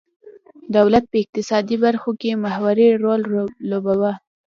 دولت په اقتصادي برخو کې محوري رول لوباوه.